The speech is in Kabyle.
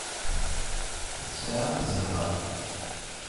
Tesɛamt zzheṛ.